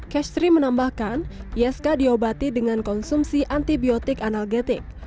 keshri menambahkan isk diobati dengan konsumsi antibiotik analgetik